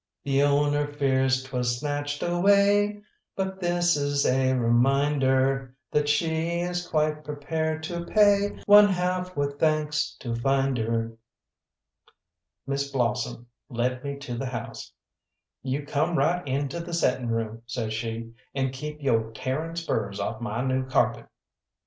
"The owner fears 'twas snatched away, But this is a reminder, That she is quite prepared to pay One half, with thanks, to finder." Miss Blossom led me to the house. "You come right into the settin' room," says she, "and keep yo' tearing spurs off my new carpet."